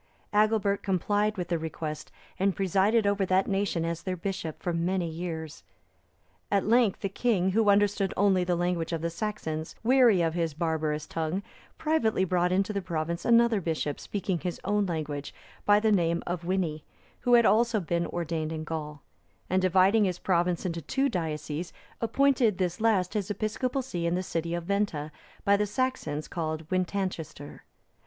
Agilbert complied with the request, and presided over that nation as their bishop for many years. At length the king, who understood only the language of the Saxons, weary of his barbarous tongue, privately brought into the province another bishop, speaking his own language, by name Wini,(327) who had also been ordained in Gaul; and dividing his province into two dioceses, appointed this last his episcopal see in the city of Venta, by the Saxons called Wintancaestir.